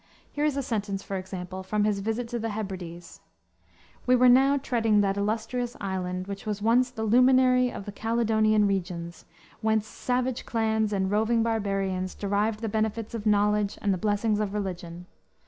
Here is a sentence, for example, from his Visit to the Hebrides: "We were now treading that illustrious island which was once the luminary of the Caledonian regions, whence savage clans and roving barbarians derived the benefits of knowledge and the blessings of religion.